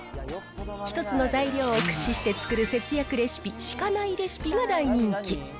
１つの材料を駆使して作るしかないレシピが大人気。